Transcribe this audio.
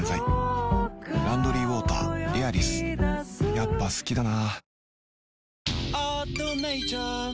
やっぱ好きだな